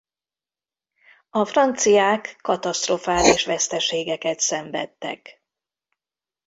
A franciák katasztrofális veszteségeket szenvedtek.